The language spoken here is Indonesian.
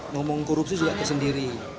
ngomong korupsi juga tersendiri